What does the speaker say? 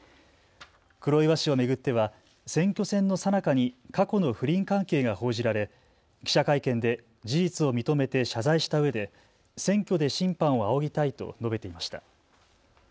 黒岩氏を巡っては選挙戦のさなかに過去の不倫関係が報じられ、記者会見で事実を認めて謝罪したうえで選挙で審判を仰ぎたいと述べていました。